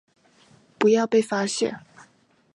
不要被发现